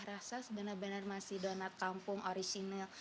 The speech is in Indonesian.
rasa sebenarnya masih donat kampung original